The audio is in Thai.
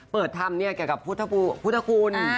เปิดทำเกี่ยวกับพุทธคุณ